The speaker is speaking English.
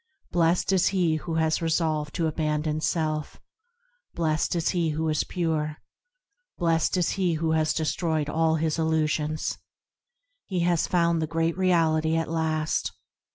Blessed is he who has resolved to abandon self: Blessed is he who is pure; Blessed is he who has destroyed all his illusions; He has found the Great Reality at last.